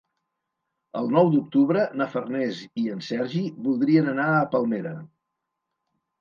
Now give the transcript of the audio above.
El nou d'octubre na Farners i en Sergi voldrien anar a Palmera.